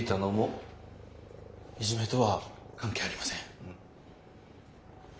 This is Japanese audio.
いじめとは関係ありません。